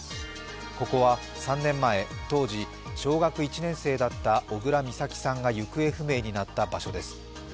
ここは３年前、当時小学１年生だった小倉美咲さんが行方不明になった場所です。